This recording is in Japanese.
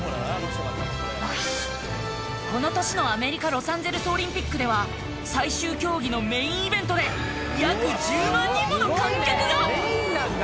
この年のアメリカロサンゼルスオリンピックでは最終競技のメインイベントで約１０万人もの観客が！